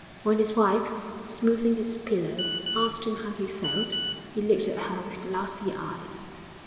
When his wife, smoothing his pillow, asked him how he felt, he looked at her with glassy eyes.